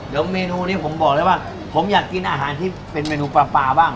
เดี๋ยวเมนูนี้ผมบอกเลยว่าผมอยากกินอาหารที่เป็นเมนูปลาปลาบ้าง